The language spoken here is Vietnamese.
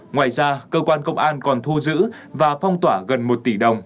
ngoài ra cơ quan công an còn thu giữ và phong tỏa gần một tỷ đồng